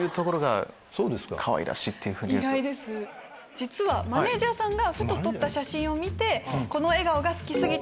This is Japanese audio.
実はマネージャーさんがふと撮った写真を見て。